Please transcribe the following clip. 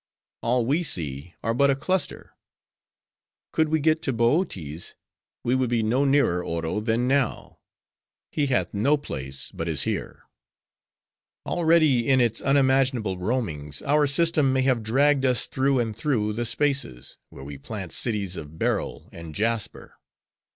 All we see are but a cluster. Could we get to Bootes, we would be no nearer Oro, than now he hath no place; but is here. Already, in its unimaginable roamings, our system may have dragged us through and through the spaces, where we plant cities of beryl and jasper.